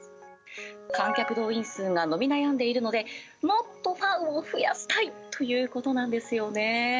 観客動員数が伸び悩んでいるのでもっとファンを増やしたいということなんですよね。